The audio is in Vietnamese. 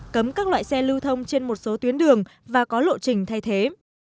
cấm các loại xe lưu thông trên một số tuyến đường và có lộ trình thay thế